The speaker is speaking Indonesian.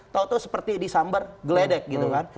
tau tau seperti di sambar geledek gitu kan